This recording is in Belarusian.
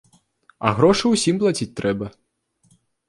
А грошы ўсім плаціць трэба.